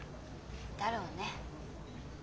だろうね。